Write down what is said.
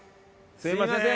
すみません。